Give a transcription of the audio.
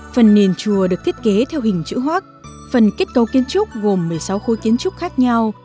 phần nền chùa được thiết kế theo hình chữ hoác phần kết cấu kiến trúc gồm một mươi sáu khối kiến trúc khác nhau